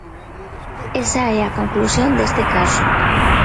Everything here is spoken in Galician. Esa é a conclusión deste caso.